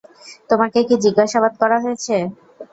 তোমাকে কী জিজ্ঞাসাবাদ করা হয়েছে?